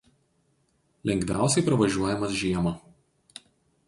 Lengviausiai pravažiuojamas žiemą.